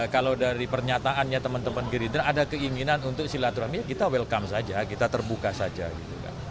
kalau dari pernyataannya teman teman gerindra ada keinginan untuk silaturahmi ya kita welcome saja kita terbuka saja gitu kan